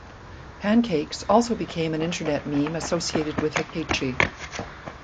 Pancakes also became an Internet meme associated with Akechi.